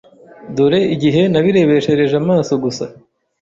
dore igihe nabirebeshereje amaso gusa.